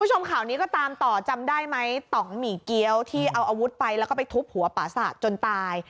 คุณผู้ชมข่าวนี้ก็ตามต่อจำได้ไหมต่องหมี่เกี้ยวที่เอาอาวุธไปแล้วก็ไปทุบหัวป่าสะจนตาย